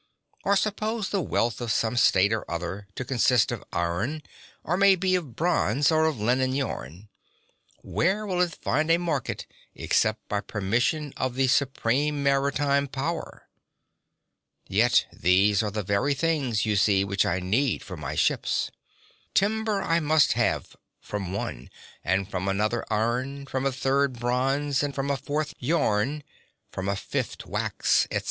Or, suppose the wealth of some state or other to consist of iron, or may be of bronze, (13) or of linen yarn, where will it find a market except by permission of the supreme maritime power? Yet these are the very things, you see, which I need for my ships. Timber I must have from one, and from another iron, from a third bronze, from a fourth linen yarn, from a fifth wax, etc.